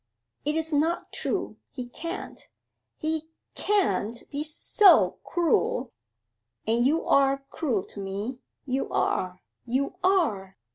'It is not true! He can't, he c can't be s so cruel and you are cruel to me you are, you are!